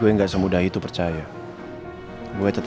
minggu lalu ber recurs